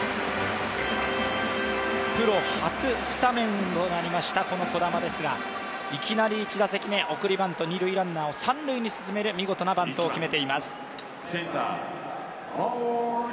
プロ初スタメンとなりました児玉ですがいきなり１打席目、送りバントを三塁に進める、見事なバントを決めています。